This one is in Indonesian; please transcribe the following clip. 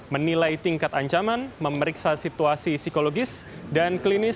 menilai tingkat ancaman memeriksa situasi psikologis dan klinis